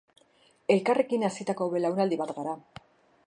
Elkarrekin hazitako belaunaldi bat gara.